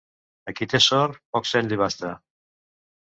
A qui té sort, poc seny li basta.